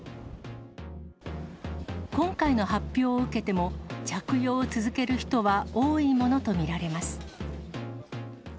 今回の発表を受けても、着用を続ける人は多いものと見られます。